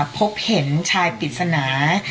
พบเห็นชายปริศนา